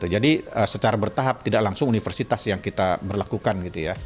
jadi secara bertahap tidak langsung universitas yang kita berlakukan